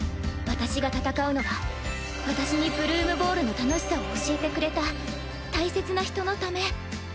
私が戦うのは私にブルームボールの楽しさを教えてくれた大切な人のため。